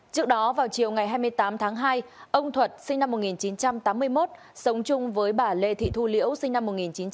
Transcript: trước đó vào chiều ngày hai mươi tám tháng hai ông thuật sinh năm một nghìn chín trăm tám mươi một sống chung với bà lê thị thu liễu sinh năm một nghìn chín trăm tám mươi